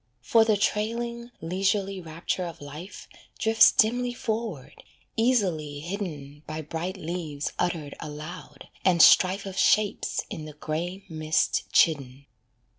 For the trailing, leisurely rapture of life Drifts dimly forward, easily hidden By bright leaves uttered aloud, and strife Of shapes in the grey mist chidden.